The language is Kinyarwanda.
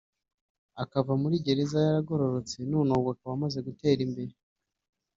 akava muri gereza yaragororotse none ubu akaba amaze gutera imbere